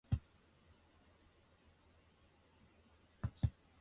めちゃくちゃ眠い